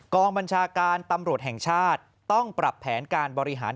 บัญชาการตำรวจแห่งชาติต้องปรับแผนการบริหาร